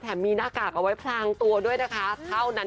ไม่มีใครรู้ว่ายุเป็นใคร